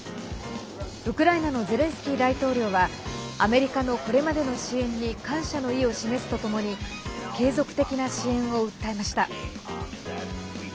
ウクライナのゼレンスキー大統領はアメリカの、これまでの支援に感謝の意を示すとともに継続的な支援を訴えました。